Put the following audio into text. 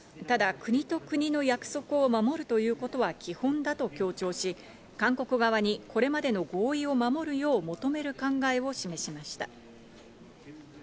ただ国と国の約束を守るということは基本だと強調し、韓国側にこれまでの合意を守るよう、求める考えを示しました。